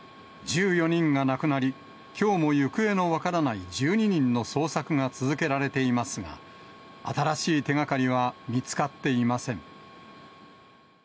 １４人が亡くなり、きょうも行方の分からない１２人の捜索が続けられていますが、新しい手がかりは見つかっていません。